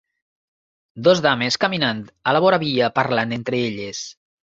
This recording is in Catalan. Dos dames caminant a la voravia parlant entre elles.